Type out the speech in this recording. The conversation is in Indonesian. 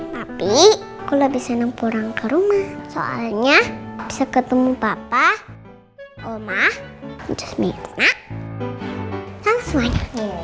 tapi aku lebih senang pulang ke rumah soalnya bisa ketemu papa oma jasmina sama semuanya